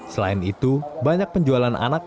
selain itu banyak penjualan anak